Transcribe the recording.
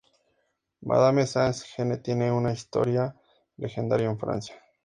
Madame Sans-Gêne tiene una historia legendaria en Francia.